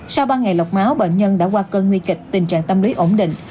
sau ba ngày lọc máu bệnh nhân đã qua cơn nguy kịch tình trạng tâm lý ổn định